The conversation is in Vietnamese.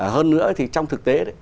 hơn nữa thì trong thực tế